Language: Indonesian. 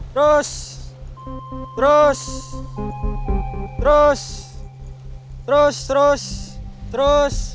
terus terus terus terus terus terus